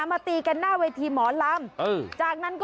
แม่งแม่ง